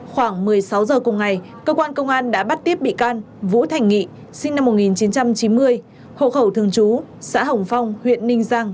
khoảng một mươi sáu giờ cùng ngày cơ quan công an đã bắt tiếp bị can vũ thành nghị sinh năm một nghìn chín trăm chín mươi hộ khẩu thường trú xã hồng phong huyện ninh giang